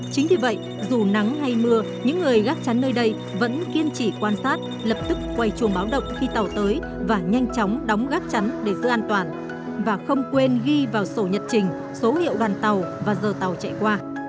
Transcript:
chính vì vậy dù nắng hay mưa những người gác chắn nơi đây vẫn kiên trì quan sát lập tức quay chuồng báo động khi tàu tới và nhanh chóng đóng gác chắn để giữ an toàn và không quên ghi vào sổ nhật trình số hiệu đoàn tàu và giờ tàu chạy qua